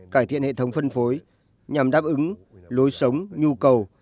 cải thiện hệ thống phân phối nhằm đáp ứng lối sống nhu cầu